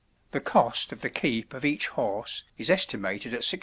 The cost of the keep of each horse is estimated at 16s.